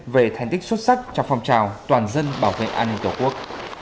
về thành tích xuất sắc trong phong trào toàn dân bảo vệ an ninh tổ quốc